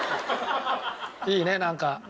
いいねなんかこう。